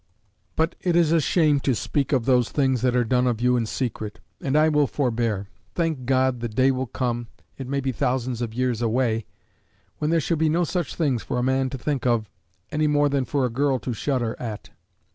But it is a shame to speak of those things that are done of you in secret, and I will forbear. Thank God, the day will come it may be thousands of years away when there shall be no such things for a man to think of, any more than for a girl to shudder at!